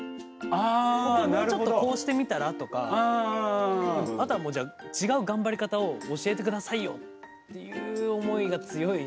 「ここもうちょっとこうしてみたら？」とかあとはもうじゃあ違う頑張り方を教えてくださいよっていう思いが強いですよね